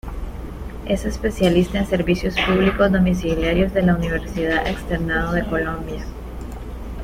Es especialista en Servicios Públicos Domiciliarios de la Universidad Externado de Colombia.